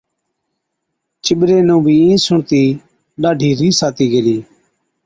چِٻري نُون بِي اِين سُڻتِي ڏاڍِي رِيس آتِي گيلِي۔